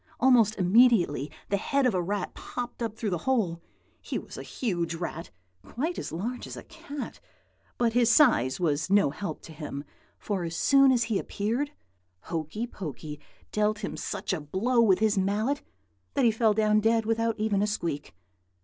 Almost immediately the head of a rat popped up through the hole. He was a huge rat, quite as large as a cat; but his size was no help to him, for as soon as he appeared, Hokey Pokey dealt him such a blow with his mallet that he fell down dead without even a squeak.